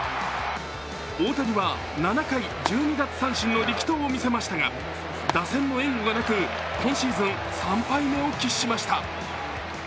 大谷は７回、１２奪三振の力投を見せましたが打線の援護がなく、今シーズン３敗目を喫しました。